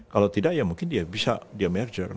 kalau tidak ya mungkin dia bisa dia merger